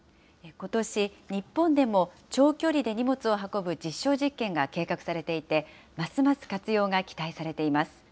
ことし、日本でも長距離で荷物を運ぶ実証実験が計画されていて、ますます活用が期待されています。